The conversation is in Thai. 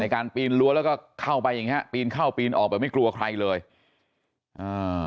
การปีนรั้วแล้วก็เข้าไปอย่างเงี้ปีนเข้าปีนออกแบบไม่กลัวใครเลยอ่า